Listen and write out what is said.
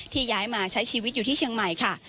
ย้ายมาใช้ชีวิตอยู่ที่เชียงใหม่ค่ะ